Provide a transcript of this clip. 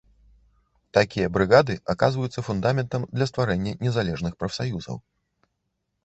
Такія брыгады аказваюцца фундаментам для стварэння незалежных прафсаюзаў.